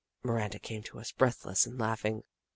Miranda came to us, breathless and laugh ing.